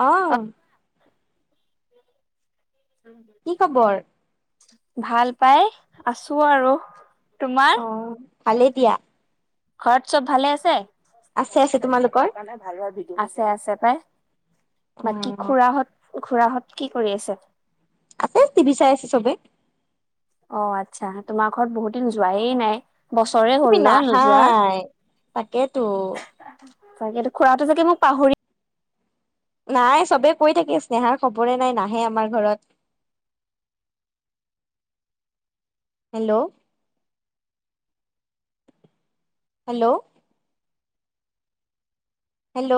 অহ কি খবৰ? ভাল পাই, আছো আৰু। তোমাৰ অ', ভালে দিয়া। ঘৰত চব ভালে আছে? আছে আছে, তোমালোকৰ? [unintelligible] আছে আছে পাই। অ বাকী খুৰাহঁত খুৰাহঁত কি কৰি আছেঁ? আছে টিভি চাই আছে চবে। অ', আচ্ছা তোমাৰ ঘৰত বহুত দিন যোৱায়ে নাই। বছৰে তুমি হ'ল ন নোযোৱা। নাহাই তাকেতো তাকেটো খুৰাহঁতে চাগে মোক পাহৰি নাই চবে কৈ থাকে স্নেহাৰ খবৰে নাই নাহে আমাৰ ঘৰত। Hello. Hello. Hello.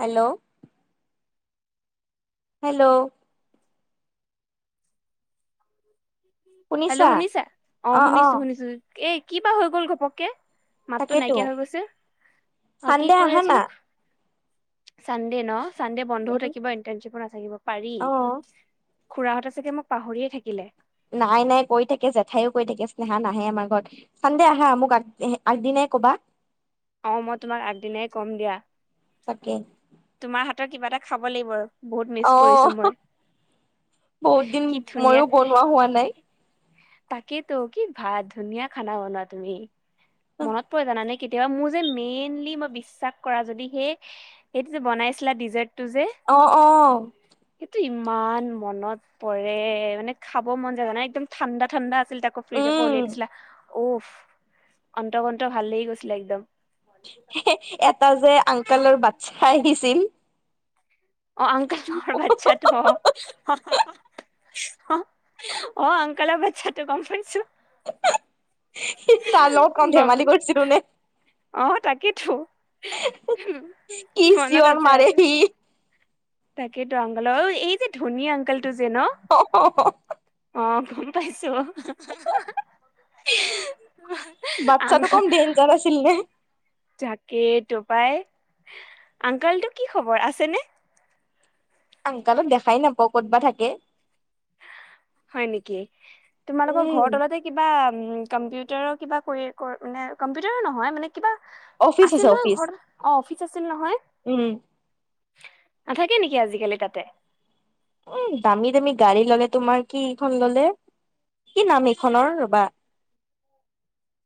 Hello. Hello. Hello শুনিছা? অ', শুনিছোঁ শুনিছোঁ এ, কি বা হৈ গ'ল ঘপককে মাততো তাকেতো নাইকিয়া হৈ গৈছে। অ', কি চানডে কৈ আহা না আছিলোঁ চানডে ন চানডে বন্ধও উম থাকিব ইণ্টাৰশ্বিপো নাথাকিব পাৰি। অ খুৰাহঁতে চাগে মোক পাহৰিয়ে থাকিলে নাই নাই কৈ থাকে জেঠায়ো কৈ থাকে স্নেহা নাহে আমাৰ ঘৰত। চানডে আহা মোক আগ এহে আগদিনাই ক'বা অ', মই তোমাক আগদিনাই ক'ম দিয়া। তাকে তোমাৰ হাতৰ কিবা এটা খাব লাগিব আৰু বহুত মিচ অ', কৰিছো মই [unintelligible] বহুত দিন কি ধুনীয়া ময়ো বনোৱা হোৱা নাই। তাকেইতো কি ভাত ধুনীয়া খানা বনোৱা তুমি। অ মনত পৰে জানানে কেতিয়াবা মোৰ যে মেইনলি মই বিশ্বাস কৰা যদি সেই সেইটো যে বনাইছিলা ডিজাৰ্টটো যে অ', অ'। সেটো ইমান মনত পৰে মানে খাব মন যায় মানে একদম ঠাণ্ডাত ঠাণ্ডা আছিল তাকো ফ্ৰিজ পা উম উলিয়াই দিছিলা, উফ অন্ত কন্ত ভাল লাগি গৈছিলে একদম। [unintelligible] এটা যে আংকালৰ বাটচ্চা আহিছিল অ', আংকলৰ বাটচ্চাটো অ'। [unintelligible] অ', অ', আংকলৰ বাটচ্চাটো গম পাইছোঁ। [unintelligible] তাৰ লগত কম গম ধেমালি কৰিছিলোঁ নে অ', তাকেইতো উম, কি মনত চিঞৰ আছে মাৰে আছে। সি তাকেতো আংগল এই যে ধনী আংকলটো যে ন [unintelligible] অ', গম পাইছোঁ [unintelligible] বাটচ্চাটো কম ডেঞ্জাৰ আছিল নে তাকে তপাই আংকালটো কি খবৰ, আছেনে? আংকালক দেখাই নাপাওঁ ক'ত বা থাকে হয় নিকি? তোমালোকৰ উম ঘৰ তলতে কিবা উম কম্পিউটাৰ কিবা কৰি কৰ নে কম্পিউটাৰৰ নহয় মানেক কিবা অফিচ আছে আছিল নহয় অফিচ ঘৰত। অ', অফিচ আছিল নহয় উম নাথাকে নেকি আজিকালি তাতে? উম দামী দামী গাড়ী ল'লে তোমাৰ কি এইখন ল'লে কি নাম এইখনৰ ৰ'বা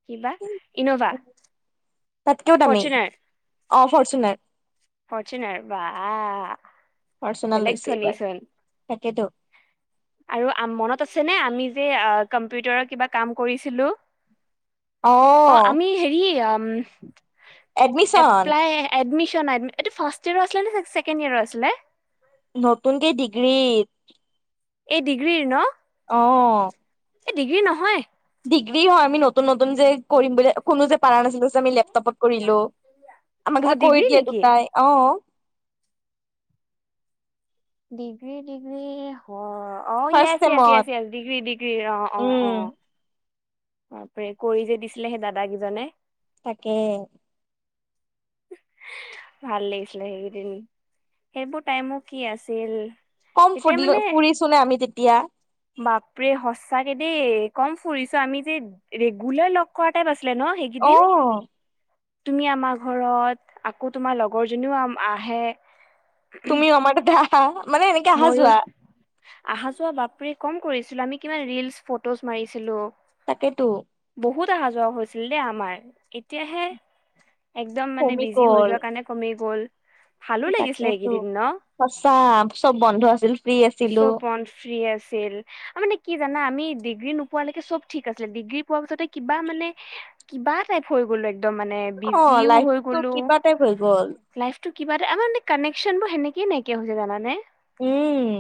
কিবা ইন'ভা তাতকেও দামী ফৰ্চুনায়। অ ফৰচুনাৰ ফাৰচুনাৰ বা ফৰচুনাৰ বেলেগ লৈছে এইবাৰ ধনিচোন। তাকেতো। আৰু মনত আছেনে আমি যে কম্পিউটাৰৰ কিবা কাম কৰিছিলো। অ আমি হেৰি এডমিচন এপলাই- এডমিশন এডম এইটো ফাষ্ট ইয়েৰ আছিলে ছেকেণ্ড ইয়েৰ আছিলে? নতুনকে ডিগ্ৰীত- এই ডিগ্ৰীৰ ন। অঁ' এ ডিগ্ৰী নহয়। ডিগ্ৰী হয় আমি নতুন নতুন যে কৰিম বুলি- কোনো যে পাৰা নাছিলো যে আমি লেপটপত কৰিলো। আমাক অ যে কৈ ডিগ্ৰী দিয়ে নেকি দুটাই অঁ' ডিগ্ৰী ডিগ্ৰী হয় অঁ ফাৰ্ষ্ট য়েছ য়েছ চেমত য়েছ য়েছ ডিগ্ৰী ডিগ্ৰী অঁ উম অঁ। অঁ প্ৰে কৰি যে দিছিলে সেই দাদা গিজনে। তাকে, ভাল লাগিছিলে সেইগেইদিন সেইবোৰ টাইমো কি আছিল? কম তেতিয়া ফুৰিলো মানে ফুৰিছো নে আমি তেতিয়া। বাপৰে সচাকে দেই কম ফুৰিছো আমি যে ৰেগুলাৰ লগ- কৰ টাইপ আছিলে ন অ সেইগেইদিন তুমি আমাক- ঘৰত আকৌ তোমাৰ লগৰজনীও আম আহে। তুমি আমাৰ তাতে আহা, মানে এনেকে অহা মইয়ো যোৱা। আহা যোৱা বাপৰে কম কৰিছিলো আমি কিমান ৰিলচ ফটোজ মাৰিছিলো। তাকেইতো। বহুত আহা যোৱা হৈছিল দেই আমাৰ এতিয়াহে- একদম মানে কমি বিজি হৈ গ'ল যোৱাৰ কাৰণে কমি গ'ল। ভালো লাগিছিলে তাকেতো, এইকেইদিন ন সঁচা চব বন্ধ আছিল। ফ্ৰী আছিলো চব বন্ ফ্ৰী আছিল, মানে কি জানা আমি ডিগ্ৰী নোপোৱালৈকে চব ঠিক আছিলে ডিগ্ৰী- পোৱা পিছতে কিবা মানে কিবা টাইপ হৈ গ'লো এক্দম মানে। অ বিজিও হৈ লাইফটো গলো। কিবা টাইপ হৈ গ'ল লাইফটো কিবা আমা মানে কানেকশ্যন বোৰ সেনেকে নাইকিয়া হৈ যায় জানানে? উম'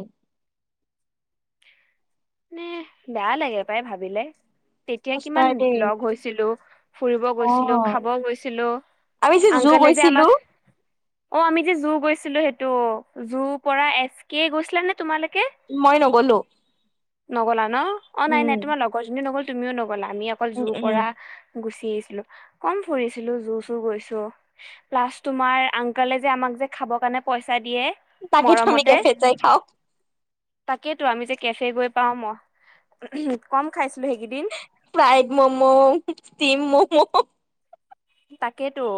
উমহু' বেয়া লাগে পাই ভাবিলে। তেতিয়া সঁচাই কিমান দেই লগ হৈছিলো ফুৰিব অ গৈছিলো খাব গৈছিলো। আমি যে ৰুযৌ গৈছিলো। অঁ আমি যে যু গৈছিলো সেটো যু পৰা এচ কে গৈছিলানে তোমালোকে? মই নগলো। নগলা ন অঁ নাই উম নাই তোমাৰ লগৰজনীও নগল তুমিও নগলা আমি অকল উম যুৰ উম পৰা- গুচি আহিছিলো, কম ফুৰিছিলো যু চু গৈছো। প্লাচ তোমাৰ আংকলে যে আমাক যে খাব কাৰণে পইচা দিয়ে। তাকেইতো আমি মৰমতে কেফেত যাই খাওঁ। তাকেইতো, আমি যে কেফে গৈ পাওঁ ম কম খাইছিলো সেইকেইদিন। Fried momo, steam momo. তাকেইতো, -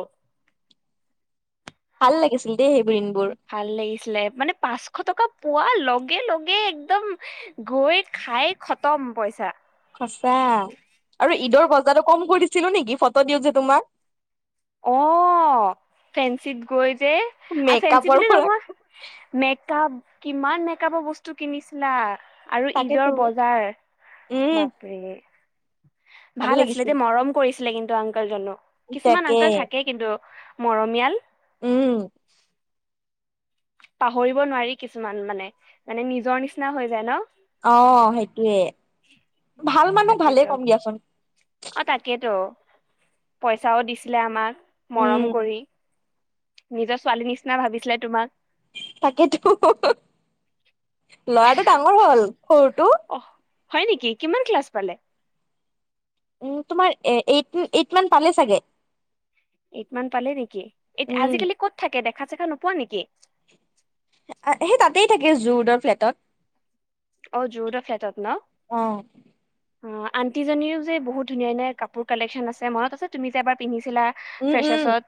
ভাল লাগিছিল দেই সেইবোৰ দিনবোৰ। ভাল লাগিছিলে, মানে পাঁচশ টকা পোৱাৰ লগে লগে একদম- গৈ খাই খতম পইচা সচা আৰু ঈদৰ বজাৰো কম কৰিছিলো নেকি ফটো দিওঁ যে তোমাক অ ফেঞ্চিত গৈ যে আ ফেঞ্চি মেকআপৰ বুলি পৰা নহয় মেকআপ কিমান মেকআপৰ বস্তু কিনিছিলা আৰু ঈদৰ তাকেতো বজাৰ উম বাপৰে ভাল আছিলে দে মৰম কৰিছিলে কিন্তু আংকলজনো কিছুমান আ তাকে কে কিন্তু মৰমীয়াল উম পাহৰিব নোৱাৰি কিছুমান মানে মানে নিজৰ নিচিনা হৈ যায় ন অ' সেইটোয়ে ভাল মানুহ ভালেই তাকেতো ক'ম দিয়াচোন। অ' তাকেতো, পইচাও দিছিলে আমাক মৰম উম কৰি। নিজৰ ছোৱালী নিচিনা ভাবিছিলে তোমাক। তাকেতো, লৰাটো ডাঙৰ হ'ল সৰুটো। অহ হয় নেকি কিমান ক্লাছ পালে। উম, তোমাৰ এ এইট এইট মান পালে চাগে। এইট মান পালে নেকি এইত উম আজিকালি ক'ত থাকে দেখা চেখা নোপোৱা নেকি। আ সেই তাতেই থাকে জু ৰদৰ ফ্লেটত। অ যুৰদৰ ফ্লেটত ন অ অ আন্টিজনীও যে বহুত ধুনীয়া ধুনীয়া কাপোৰ কালেকশ্যন আছে মনত আছে তুমি যে এবাৰ পিন্ধিছিলা উম উম ফ্ৰেচাছত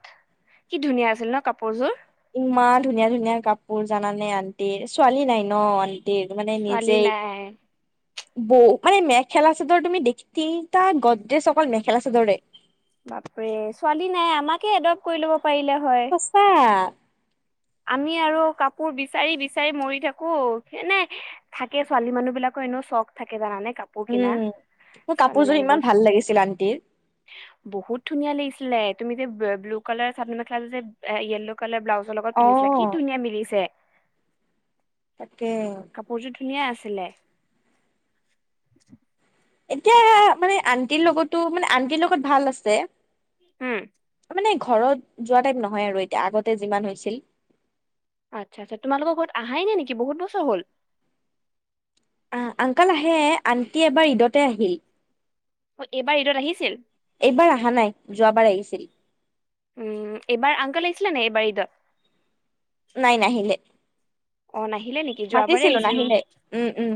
কি ধুনীয়া আছিল ন কাপোৰযোৰ ইমান ধুনীয়া ধুনীয়া কাপোৰ জানা নে আণ্টিৰ ছোৱালী নাই ন আন ন্তিৰ মানে ছোৱালী নিজেই নাই বৌ মানে মেখেলা চাদৰ তুমি দেখি তিনিটা গদডেছ অকল মেখেলা চাদৰে বাপৰে ছোৱালী নাই আমাকে এডপ্ট কৰি ল'ব পাৰিলে হয়। চা আমি আৰু কাপোৰ বিচাৰি বিচাৰি মৰি থাকো সেনে। থাকে ছোৱালী মানুহ বিলাকৰ এনেও চখ থাকে জানা নে কাপ উম, মোৰ কাপোৰযোৰ ইমান ভাল লাগিছিল আন্তিৰ। বহুত ধুনীয়া লাগিছিলে তুমি যে বে ব্লু কালাৰ চাদৰ মেখেলাযোৰ যে য়েলো কালাৰ ব্লাউজৰ লগত অ পিন্ধিছিলা কি ধুনীয়া মিলিছে। তাকে। কাপোৰযোৰ ধুনীয়া আছিলে। এতিয়া মানে আণ্টিৰ লগতো মানে আন্তিৰ লগত ভাল আছে। হো এ মানে ঘৰত যোৱা টাইপ নহয় আৰু এতিয়া আগতে যিমান হৈছিল। আচ্ছা আচ্ছা তোমালোকৰ ঘৰত আহাই নাই নেকি বহুত বছৰ হ'ল। আ' আংকল আহে আন্তি এবাৰ ঈদতে আহিল। অ' এইবাৰ ঈদত আহিছিল। এইবাৰ আহা নাই যোৱাবাৰ আহিছিল। উম, এইবাৰ আংকল আহিছিলে নে এইবাৰ ঈদত। নাই নাহিলে, অ নাহিলে নেকি যোৱাবাৰে মাতিছিলো আহিছিল নাহিলে উম, উম।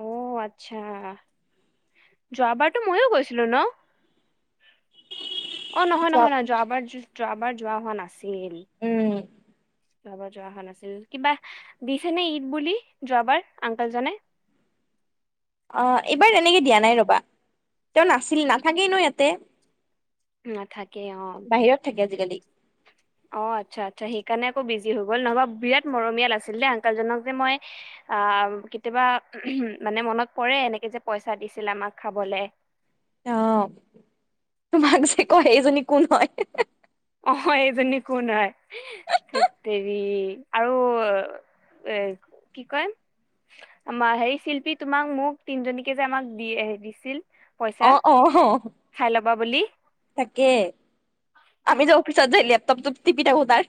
অ' আতচ্ছা। যোৱাবাৰটো ময়ো গৈছিলোঁ ন'। অ' নহয় নহয় নহয় উম যোৱাবাৰ যো যোৱাবাৰ যোৱা হোৱা নাছিল। উম। [inaudible] যোৱাবাৰ যোৱা হোৱা নাছিল কিবা দিছে নে ঈদ বুলি যোৱাবাৰ আংককল জনে। অ' এইবাৰ তেনেকে দিয়া নাই ৰ'বা' তেওঁ নাছিল নাথাকেই ন' ইয়াতে। নাথাকে অ বাহিৰত থাকে আজিকালি। অ' আচ্ছা আচ্ছা সেইকাৰণে আকৌ বিজি হৈ গ'ল নহবা বিৰাট মৰমীয়াল আছিল দেই আংককলজনক যে মই। অ' কেতিয়াবা উম, মানে মনত পৰে এনেকে যে পইচা দিছিল আমাক খাবলে। অ' তোমাক যে কয় সেইজনী কোন হয়। অ' এইজনী কোন হয়, ধেত তেৰি আৰু। এ কি কয়। আমাৰ হেই শিল্পী তোমাক মোক তিনজনীকে যে আমাক দি দিছিল। পইচা অ' অহ খাই ল'বা বুলি তাকে। আমি যে অফিচত যে লেপটপটো টিপি থাকো তাৰ।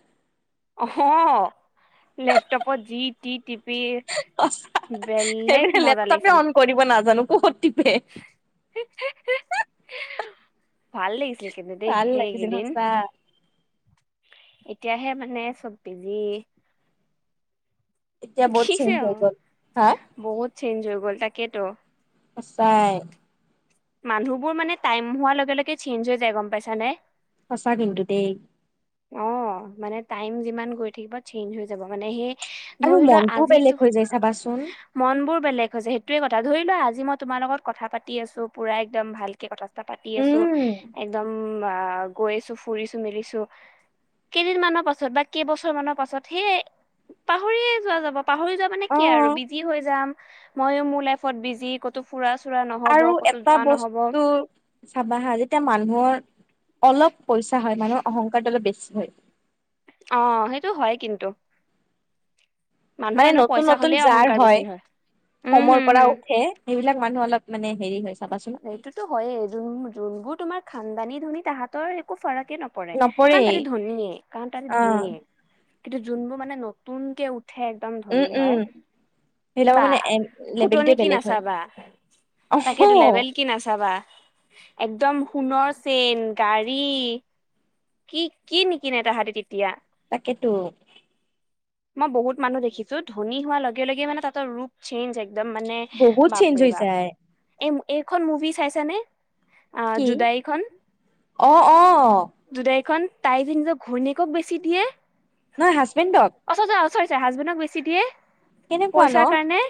অ' লেপটপত যি টি। টিপি, সঁচা বেলেগ সেইপিনে মজা লেপটপে লাগিছিল। অন কৰিব নাজানো, বহুত টিপে। [inaudible] ভাল লাগিছিল, কিন্তু দেই ভাল লাগিছিল সেইকিদিন। সঁচা এতিয়াহে মানে চব বিজি। এতিয়া বহুত কি যে চেঞ্জ অ হৈ গ'ল হা বহুত চেঞ্জ হৈ গ'ল তাকেইতো। সঁচাই। মানুহবোৰ মানে টাইম হোৱাৰ লগে-লগে চেঞ্জ হৈ যায়, গম পাইছা নে। সঁচা কিন্তু দেই। অ' মানে টাইম যিমান গৈ থাকিব চেঞ্জ হৈ যাব মানে সেই। আৰু ধৰি লোৱা মনটোও আজিতো। বেলেগ হৈ যায় চাবাচোন মন বোৰ বেলেগ হৈছে সেইটোৱে কথা ধৰি লোৱা আজি মই তোমাৰ লগত কথা পাতি আছো পুৰা একদম ভালকে কথা। থা পাতি আছো উম একদম আ গৈ আছোঁ ফুৰিছো মিলিছো। কেইদিনমানৰ পাছত বা কেইবছৰ মানৰ পাছত সেই পাহৰিয়ে যোৱা যাব। পাহৰি যোৱা মানে অ কি আৰু বিজি হৈ যাম মইয়ো মোৰ লাইত বিজি কত। তো ফুৰা চুৰা নহ'ব আৰু ক'তো এটা যোৱা নহ'ব। বস্তু চাবা আহা যেতিয়া মানুহৰ অলপ পইচা হয় মানুহৰ অহংকাৰটো অলপ বেছি হয়। অ', সেইটো হয় কিন্তু। মানুহৰ মানে এনেও পইচা নতুন-নতুন হলে যাৰ অহংকাৰ বেছি হয়, উম কমৰ হম পৰা হম উঠে সেইবিলাক মানুহ অলপ মানে হেৰি হয় চাবাচোন। সেইটো হয়য়ে যোন, যোনবোৰ তোমাৰ খণ্ডানি ধনী, তাহাঁতৰ একো ফাৰকে নপ। পৰে কাৰণ নপৰেই তাহাঁতে ধনীয়ে, কাৰণ তাহাঁতে অ ধনীয়ে, কিন্তু যোনবোৰ মানে নতুনকে উ। ঠে একদম উম ধনী উম হয় সেইবিলাকৰ বা মানে এ ফুটহোৱানি লেবেলটোৱে কি বেলেগ হয় নাচাবা। অহ তাকেটো লেবেল কি নাচাবা, একদম সোণৰ চেইন, গাড়ী। কি, কি নিকিনে তাহাঁতি তেতিয়া। তাকেতো। মই বহুত মানুহ দেখিছোঁ, ধনী হোৱাৰ লগে-লগে মানে তাহাতঁৰ ৰূপ। চেঞ্জ একদম মানে, বহুত চেঞ্জ হৈ বাপৰে বাপ। যায় এ এইখন মুভি চাইছানে আ কি জোদাইখন। অ অ জোদাইখন তাই যে নিজৰ ঘৈণীয়েকক বেছি দিয়ে। নহয়, হাজবেণ্ডক। [unintelligible] চৰী হাজবেণ্ডক বেছি দিয়ে, কেনেকুৱা ন পইচাৰ কাৰণে।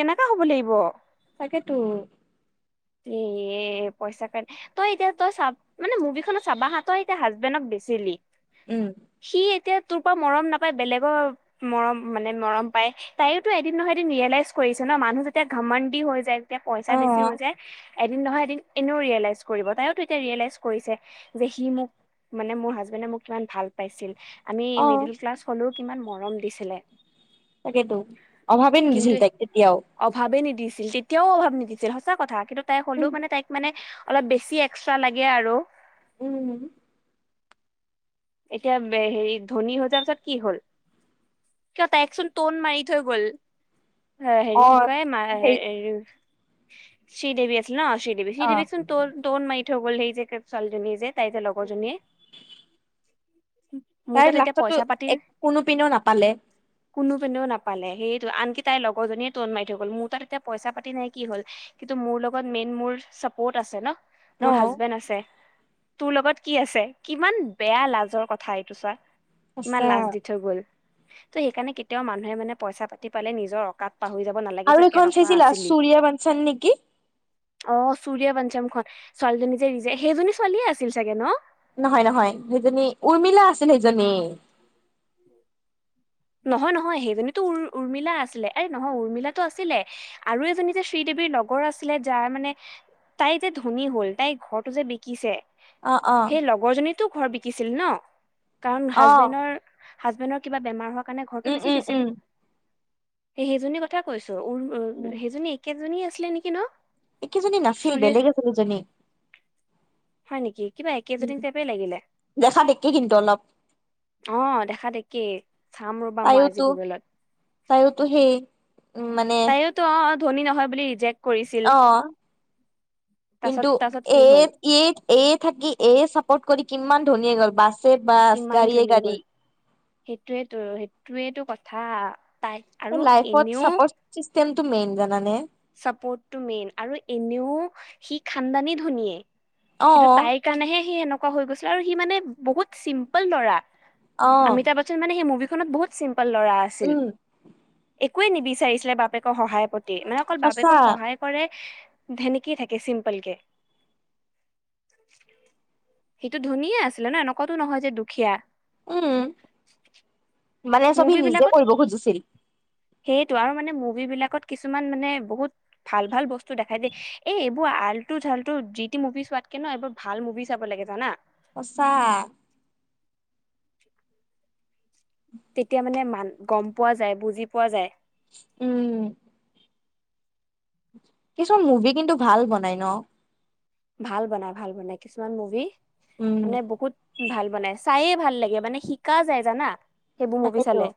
কেনেকা হ'ব লাগিব? [unintelligible] তাকেটো। [unintelligible] এ পইচা কাৰ [inaudible] তই এতিয়া তই চাব মানে মুভিখনত চাবা হা তই এতিয়া হাজবেণ্ডক বেছিলি [inaudible] উম। [unintelligible] সি এতিয়া তোৰ পা মৰম নাপায়, বেলেগৰ মৰম মানে মৰম পায়। [inaudible] তাইওতো এদিন নহয় এদিন ৰিয়েলাইজ কৰিছে ন, মানুহ যেতিয়া ঘমণ্ডি হৈ যায়, যেতিয়া অ পইচা বেছি হৈ যায়। [unintelligible] এদিন নহয় এদিন এনেও ৰিয়েলাইজ কৰিব। তাইওতো এতিয়া ৰিয়েলাইজ কৰিছে যে, সি মোক [inaudible] মানে মোৰ হাজবেণ্ডে মোক কিমান ভাল পাইছিল। আমি অ মিডিলক্লাছ হ'লেও কিমান মৰম দিছিলে। [inaudible] তাকেতো। অভাৱে নিদিছিল কিন্তু তাইক তেতিয়াও। [unintelligible] অভাৱে নিদিছিল, তেতিয়াও অভাৱ নিদিছিল। সঁচা কথা। কিন্তু তাই হ'লেও উম মানে তাইক মানে [inaudible] অলপ বেছি এক্সট্ৰা লাগে আৰু। [inaudible] উম। [unintelligible] এতিয়া, হেৰি ধনী হৈ যোৱাৰ পিছত কি হ'ল? [unintelligible] কিয় তাইক চোন ট'ন মাৰি থৈ গ'ল। [inaudible] অ হেৰি কি কয়, মা সেই [unintelligible] শ্ৰী দেৱী আছিল ন শ্ৰী দেৱী। শ্ৰী অ দেৱীক চোন ট ট'ন মাৰি থৈ গ'ল, সেই যে ছোৱালীজনীয়ে যে তাই যে লগৰজনীয়ে। [unintelligible] [unintelligible] তাই এতিয়া লাষ্টতো পইচা এক কোনোপিনেও নাপালে। [inaudible] কোনোপিনেও নাপালে, সেইটো। আনকি তাইৰ লগৰজনীয়ে ট'ন মাৰি থৈ গ'ল। মোৰ তাত এতিয়া পইচা-পাতি নাই কি হ'ল [inaudible] কিন্তু মোৰ লগত মেইন মোৰ চাপৰ্ট আছে ন। [inaudible] ন মোৰ হাজবেণ্ড আছে তোৰ লগত কি আছে? কিমান [unintelligible] বেয়া লাজৰ কথা এইটো চোৱা কিমান সঁচা লাজ দি থৈ গ'ল। [unintelligible] ত' সেইকাৰণে কেতিয়াও মানুহে মানে পইচা পাতি পালে নিজৰ অকাত [unintelligible] পাহৰি যাবা না [unintelligible] আৰু এখন চাইছিলা সুৰিয়া বঞ্চন নেকি? [unintelligible] অঁ! চুুৰীয়া পাঞ্চামখন ছোৱালীজনী যে [unintelligible] সেইজনী ছোৱালীয়ে আছিল চাগে ন? নহয়-নহয়। সেইজনী উৰ্মিলা আছিল, সেইজনী। [inaudible] [inaudible] নহয়-নহয়। সেইজনীতো উৰ উৰ্মিলা আছিলে। আৰে নহয়, উৰ্মিলাটো আছিলে [unintelligible] আৰু এজনী যে শ্ৰী দেৱীৰ লগৰ আছিলে, যাৰ মানে [inaudible] তাই যে ধনী হ'ল, তাই ঘৰটো যে বিকিছে [unintelligible] অ অ সেই লগৰজনীতো ঘৰ বিকিছিল ন, কাৰণ অ হাজবেণ্ডৰ [inaudible] হাজবেণ্ডৰ কিবা বেমাৰ হোৱাৰ কাৰণে ঘৰটো উম বেছি উম দিছিল। উম সেই সেইজনী কথা কৈছো উৰ [inaudible] উম [inaudible] সেইজনী একেজনী আছিলে নেকি ন? একেজনী নাছিল চুৰি বেলেগ আছিল এজনী। [inaudible] হয় নেকি? কিবা উম একেজনী টাইপেই লাগিলে। [inaudible] দেখা দেখি কিন্তু অলপ অঁ! দেখাত একেই চাম ৰবা মই আজি গুগলত। [inaudible] তাইওতো সেই উম মানে [inaudible] ত অঁ! ধনী নহয় বুলি ৰিজেক [inaudible] অঁ! তাৰছত কিন্তু তাৰছত কি এই হ'ল এই [unintelligible] এয় থাকি এয়ে চাপৰ্ট কৰি কিমান ধনী হৈ গল বাছে বাছ, কিমান গাড়ীয়ে ধনী গাড়ী। হ'ল [inaudible] সেইটোৱেতো সেইটোৱেটো কথা তাই [inaudible] লাইফত চাপৰ্ট চিষ্টেমটো মেইন জানানে? [unintelligible] চাপৰ্টটো মেইন আৰু এনেও সি খান্দানী ধনীয়ে কিন্তু অ তাইক [unintelligible] সেই কাৰণেহে সি সনেকুৱা হৈ গৈছে আৰু সি মানে বহুত চিম্পুল ল'ৰা অ', অমিতাভ চন মানে সি মুভিখনত বহুত চিম্পল ল'ৰা আছিল। উম, একোৱে নিবিচাৰিছিলে বাপেকৰ সহায় প্ৰতি মানে অকল সঁচা বাপেকৰ সহায় কৰে ধেনেকি থাকে চিম্পল কে। [inaudible] সেইটো ধুনীয়াে আছিলে ন একুৱতো নহয় যে দুখীয়া। উম মানে চব সি মুভি বিলাকত নিজে কৰিব খুজিছিল। সেইটো আৰু মানে মুভি বিলাকত কিছুমান মানে বহুত ভাল ভাল বস্তু দেখাই দেই এই এইবোৰ আলটু ফালটো যি টি মুভি চোৱাতকে ন এইবোৰ ভাল মুভি চাব লাগে জনা? সঁচা। তেতিয়া মানে মান গম পোৱা যায় বুজি পোৱা যায়। উম। কিছুমান মুভি কিন্তু ভাল বনাই ন। ভাল বনাই ভাল বনাই কিছুমান মুভি উম, মানে বহুত ভাল বনাই চায়ে ভাল লাগে মানে শিকা যায় জানা সেইবোৰ মুভি তাকেতো চালে।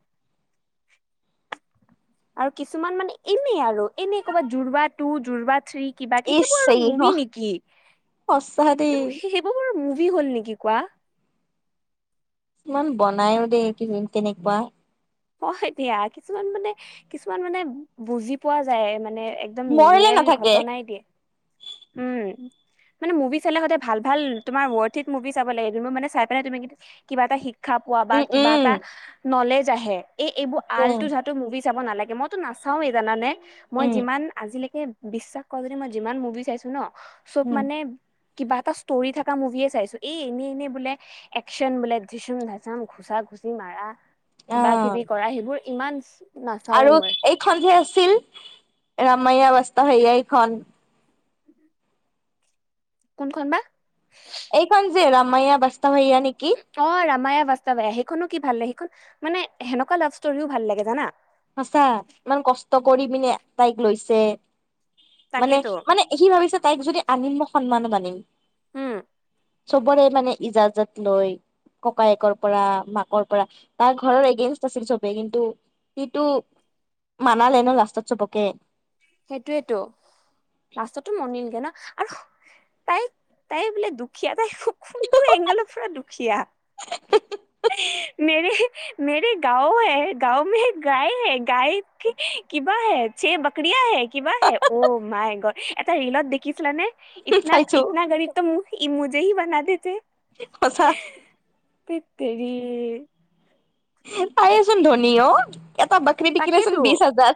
আৰু কিছুমান মানে এনেই আৰু এনে ক'বাত জোৰবা টু জোৰবা থ্ৰী কিবাকি ইচ সেইবোৰ আৰু চেৰি মুভি নেকি, অ সঁচা দেই এইবোৰ সেই বোৰ মুভি হ'ল নেকি কোৱা? ইমান বনায়ও দেই কি তেনেকুৱা। অ হেটিয়া কিছুমান মানে কিছুমান মানে বুজি পোৱা যায় মানে এক দম মৰলে ৰিয়েল নাথাকে ঘটনাই দিয়ে উম। মানে মুভি চালে সদাই ভাল তোমাৰ ৱৰটেত মুভি চাব লাগে জোনবোৰ মানে চাই পাই তুমি কি কিবা এটা শি ক্ষা পোৱা বা উম, কিবা উম, এটা নলেজ আহে এই এইবোৰ উম, আলটো ধা তো মুভি চাব নালাগে, মইতো নাচাও এই জানানে। মই উম, যিমান আজিলেকে বিশ্বাস কৰা যদি মই যিমান মুভি চাইছো ন চব উম, মানে কিবা এটা ষ্টৰি থকা মুভিয়ে চাইছো। এই এনেই এনেই বোলে একচন বোলে ধিচুম ধাচাম ঘোচা গুচি মাৰা কিবা অ', কিবি কৰা সেইবোৰ ইমান নাচাওৱে আৰু মই এইখন যে আছিল, ৰামায়া বাস্ত হৈয়া এইখন। কোনখন বা? এইখন যে ৰামাইা বাস্ত হৈয়া নেকি। অ', ৰামায়া বাস্তৱায়া সেইখনো কি ভাল লাগে সেইখন মানে সেনেকুৱা লাভ ষ্টৰিও ভাল লাগে জানা। সঁচা ইমান কষ্ট কৰি পিনে তাইক লৈছে মানে তাকেতো মানে সি ভাবিছে তাইক যদি আনিম মই সন্মানো আানিম। উম চবৰে মানে ইজাজত লৈ ককায়েকৰ পৰা মাকৰ পৰা তাৰ ঘৰৰ এগেইনষ্ট আছিল চবেই কিন্তু সিটো মানালে ন লাষ্টত চবকে। সেইটোয়েতো লাষ্টতো মনিলগে না আৰু তাই তাই বোলে দুখ দুখীয়া তাই খু কোনটো এংগলৰ পুৰা দুখীয়া। মেৰে মেৰে গাও হে, গাও মে গায় হে, গায় কি কিবা হে চে বাক ক্ৰিয়া হে, কিবা হে অ' মাই গদ। এটা ৰীলত দেখিছিলানে ইতনা চাইছো ইতনা গাৰিব টম ই মুজে হি বনা দেতে। সঁচা। ধেত তেৰি। তায়ে চোন ধনি অ', এটা বক্ৰি বিকিলে চোন তাকেইতো। বিছ হাজাৰ।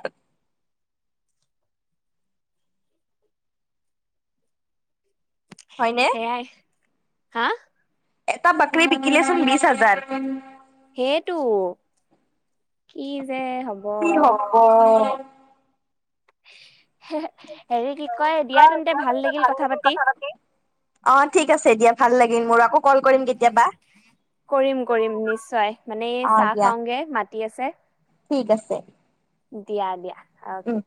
হয়নে সেয়াই, হা? এটা বক্ৰি বিকিলে চোন বিছ হাজাৰ। সেটো, কি যে হ'ব। অ'। হে-হেৰি কি কয়, দিয়া তেন্তে ভাল লাগিল কথা পাতি। অ', ঠিক আছে দিয়া, ভাল লাগিল মোৰ আকৌ কল কৰিম কেতিয়াবা কৰিম কৰিম নিশ্চয়, মানে এই অ চাহ দিয়া খাওঁগৈ, মাতি আছে। ঠিক আছে। দিয়া দিয়া অ'কে। উম